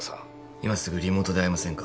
今すぐリモートで会えませんか？